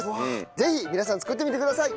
ぜひ皆さん作ってみてください！